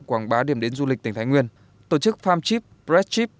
quảng bá điểm đến du lịch tỉnh thái nguyên tổ chức farm chip bread chip